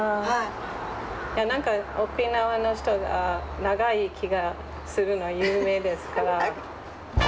何か沖縄の人が長生がするの有名ですから。